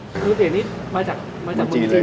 สูตรสูตรที่ใดมาจากมื้อจีนเลย